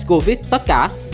tết covid tất cả